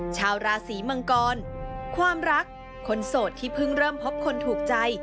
ชาวราศีมังกรความรักคนโสดที่เพิ่งเริ่มพบคนถูกใจ